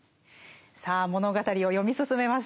さあ物語を読み進めましょう。